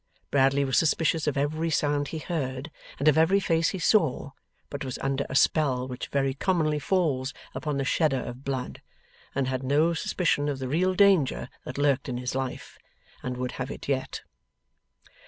Bradley was suspicious of every sound he heard, and of every face he saw, but was under a spell which very commonly falls upon the shedder of blood, and had no suspicion of the real danger that lurked in his life, and would have it yet.